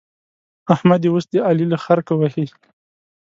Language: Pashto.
احمد يې اوس د علي له خرکه وهي.